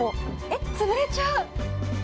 えっ、潰れちゃう。